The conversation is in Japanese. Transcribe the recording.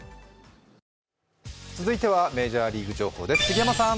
続いてはメジャーリーグ情報です。